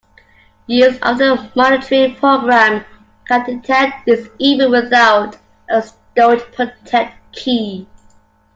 Use of a monitoring program can detect these even without a storage protect key.